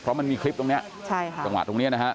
เพราะมันมีคลิปตรงนี้จังหวะตรงนี้นะครับ